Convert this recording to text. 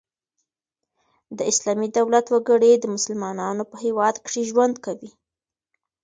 د اسلامي دولت وګړي د مسلمانانو په هيواد کښي ژوند کوي.